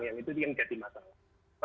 itu yang menjadi masalah